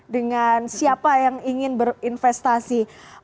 dengan siapa yang ingin berinvestasi